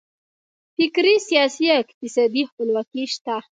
فکري، سیاسي او اقتصادي خپلواکي شته.